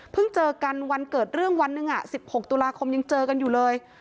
เจอกันวันเกิดเรื่องวันหนึ่ง๑๖ตุลาคมยังเจอกันอยู่เลย